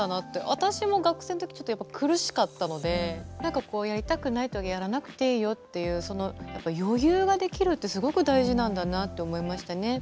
私も学生のとき苦しかったのでやりたくないときはやらなくていいよっていうその余裕ができるって、すごく大事なんだなって思いましたね。